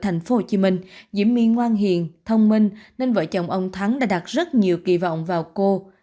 thành phố hồ chí minh diễm my ngoan hiền thông minh nên vợ chồng ông thắng đã đặt rất nhiều kỳ vọng vào cô